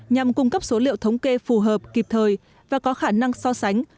nhằm cung cấp số liệu thống kê phù hợp kịp thời và có khả năng so sánh